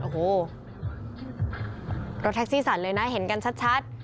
โอ้โหรถแท็กซี่สั่นเลยนะเห็นกันชัด